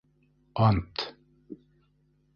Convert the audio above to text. Ант!